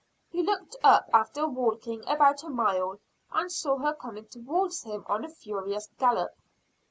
He looked up after walking about a mile, and saw her coming towards him on a furious gallop.